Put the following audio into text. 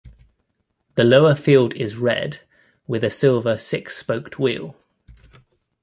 The lower field is red with a silver six-spoked wheel.